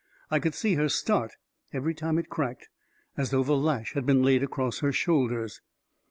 I could see her start, every time it cracked, as though the lash had been laid across her shoulders.